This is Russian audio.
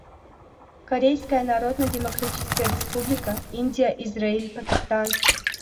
Корейская Народно-Демократическая Республика, Индия, Израиль, Пакистан.